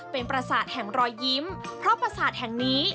เป็นประสาทแห่งรอยยิ้มเพราะประสาทแห่งนี้